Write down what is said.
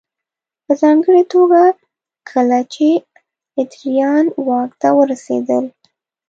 په ځانګړې توګه کله چې ادریان واک ته ورسېدل